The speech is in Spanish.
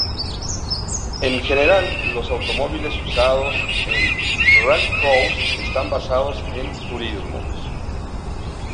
En general, los automóviles usados en rallycross están basados en turismos.